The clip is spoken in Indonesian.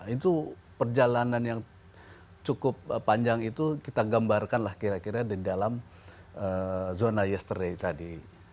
itu perjalanan yang cukup panjang itu kita gambarkan lah kira kira di dalam zona yesterday tadi